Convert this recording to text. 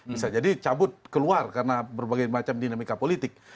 bisa jadi cabut keluar karena berbagai macam dinamika politik